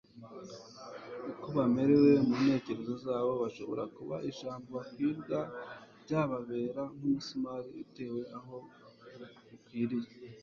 uko bamerewe mu ntekerezo zabo bashobora kuba ijambo babwirwa ryababera nk'umusumari utewe aho ukwiriye